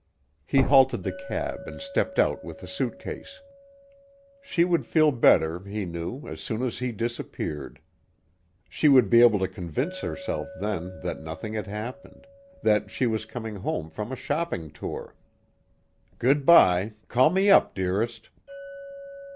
He halted the cab and stepped out with the suitcase. She would feel better, he knew, as soon as he disappeared. She would be able to convince herself then that nothing had happened that she was coming home from a shopping tour. "Good bye. Call me up, dearest."